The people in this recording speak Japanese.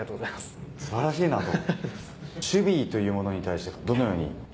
素晴らしいなと。